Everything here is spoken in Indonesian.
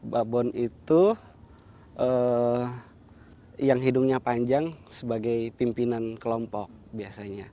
babon itu yang hidungnya panjang sebagai pimpinan kelompok biasanya